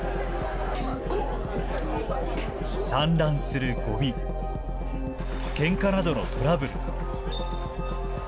散乱するごみ、ケンカなどのトラブル。